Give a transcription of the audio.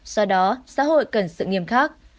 do đó xã hội cần sự nghiêm khắc